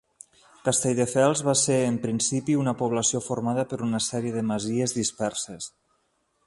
Castelldefels va ser en principi una població formada per una sèrie de masies disperses.